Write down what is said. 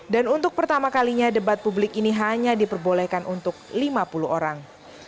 dan untuk pertama kalinya debat publik ini hanya diperbolehkan untuk lima puluh orang